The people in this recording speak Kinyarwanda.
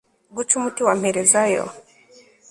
guca umuti wa mperezayo